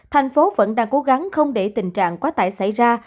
thành phố vẫn đang cố gắng không để tình trạng quá tải xảy ra